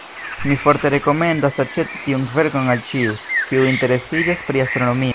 Mi forte rekomendas aĉeti tiun verkon al ĉiu, kiu interesiĝas pri astronomio!